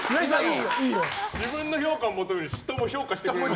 自分の評価も求めるし人も評価してくれる。